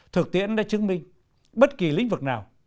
thực tiễn đã chứng minh bất kỳ lĩnh vực nào